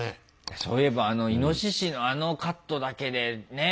そういえばあのイノシシのあのカットだけでねえ？